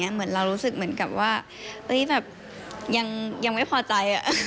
เหมือนรู้สึกว่าเอ้ยยังไม่พอใจ